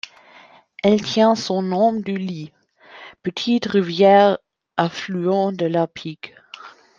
Elle tient son nom du Lys, petite rivière affluent de la Pique.